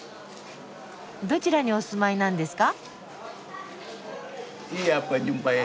どちらにお住まいなんですか？